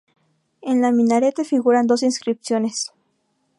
En el minarete figuran dos inscripciones.